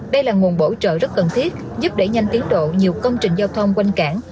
đây là nguồn bổ trợ rất cần thiết giúp đẩy nhanh tiến độ nhiều công trình giao thông quanh cảng